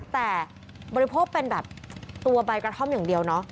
แต่บริโภคเป็นแบบตัวใบกระท่อมอย่างเดียวเนาะ